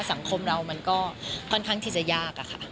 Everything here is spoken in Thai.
สังคมเรามันก็ค่อนข้างที่จะยากอะค่ะ